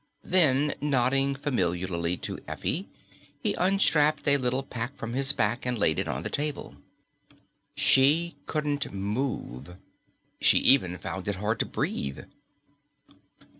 Then, nodding familiarly to Effie, he unstrapped a little pack from his back and laid it on the table. She couldn't move. She even found it hard to breathe.